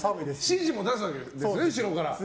指示も出すわけですよね後ろから。